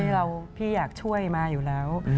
พี่อยากช่วยมาอยู่แล้ว